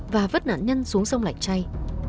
và vứt nạn nhân xuống sông lạnh chay